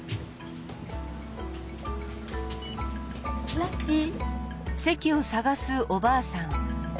ラッキー！